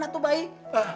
saya jadi kepinginan